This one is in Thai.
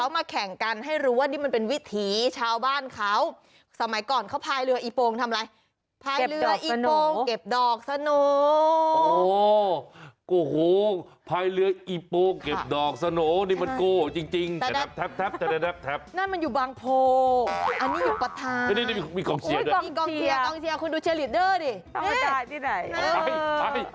มีเสียงปรบมือเป็นกำลังใจ